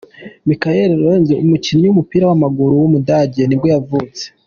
Michael Lorenz, umukinnyi w’umupira w’amaguru w’umudage nibwo yavutse.